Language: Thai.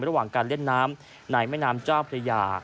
ระหว่างการเล่นน้ำในแม่น้ำเจ้าพระยา